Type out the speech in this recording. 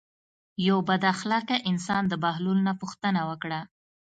یو بد اخلاقه انسان د بهلول نه پوښتنه وکړه.